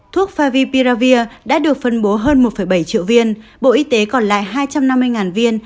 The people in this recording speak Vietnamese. thuốc favi piravir đã được phân bố hơn một bảy triệu viên bộ y tế còn lại hai trăm năm mươi viên